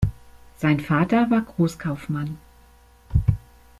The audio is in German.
Sein Vater war Großkaufmann.